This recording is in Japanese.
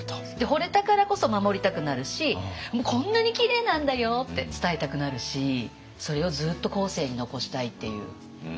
ほれたからこそ守りたくなるし「こんなにきれいなんだよ！」って伝えたくなるしそれをずっと後世に残したいっていう。